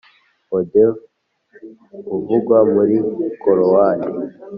Hodeva uvugwa muri corowani.